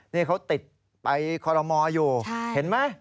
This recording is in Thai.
นี่เขาติดไปคอรมออยู่เห็นไหม